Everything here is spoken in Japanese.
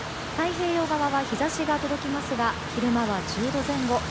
太平洋側は日差しが届きますが昼間は１０度前後。